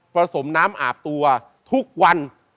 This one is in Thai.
สมน้ำอาบตัวทุกวัน